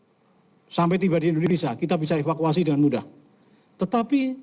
di jepang pasti ada puluhan jam sampai tiba di indonesia kita bisa evakuasi dengan mudah tetapi